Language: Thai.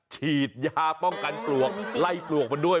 ฉีดยาป้องกันปลวกไล่ปลวกมันด้วย